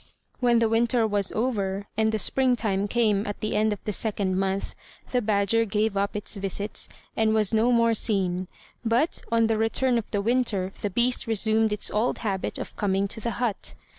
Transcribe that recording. When the winter was over, and the springtime came at the end of the second month, the badger gave up its visits, and was no more seen; but, on the return of the winter, the beast resumed its old habit of coming to the hut.